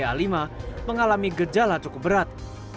lima pasien mengalami gejala cukup berat